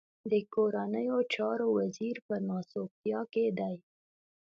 د کورنيو چارو وزير په ناسوبتيا کې دی.